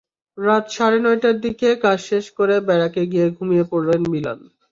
রাত সাড়ে নয়টার দিকে কাজ শেষ করে ব্যারাকে গিয়ে ঘুমিয়ে পড়েন মিলন।